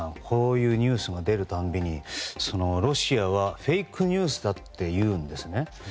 こういうニュースが出る度にロシアはフェイクニュースだというんですね。